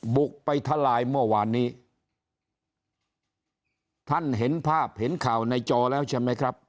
บุกไปทลายเมื่อวานนี้ท่านเห็นภาพเห็นข่าวในจอแล้วใช่ไหมครับ